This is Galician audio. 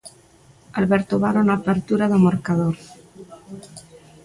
Alberto Varo na apertura do marcador.